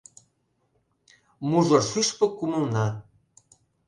Мужыр шӱшпык кумылна.